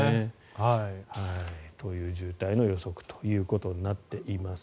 という渋滞の予測ということになっています。